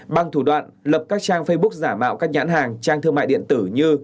bằng thủ đoạn lập các trang facebook giả mạo các nhãn hàng trang thương mại điện tử như